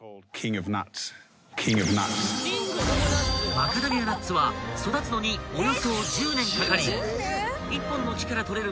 ［マカダミアナッツは育つのにおよそ１０年かかり１本の木から採れる